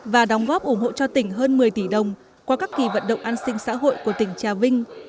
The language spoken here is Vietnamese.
và đóng góp ủng hộ cho tỉnh hơn một mươi tỷ đồng qua các kỳ vận động an sinh xã hội của tỉnh trà vinh